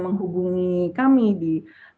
menghubungi kami di